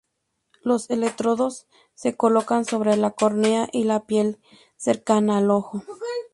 Los electrodos se colocan sobre la córnea y la piel cercana al ojo.